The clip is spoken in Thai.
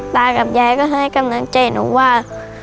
ตากับยายก็ให้กำลังใจหนูว่า